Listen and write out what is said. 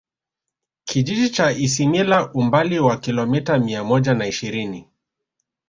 Kijiji cha Isimila umbali wa kilomita mia moja na ishirini